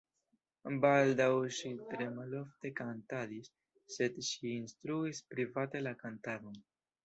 Baldaŭ ŝi tre malofte kantadis, sed ŝi instruis private la kantadon.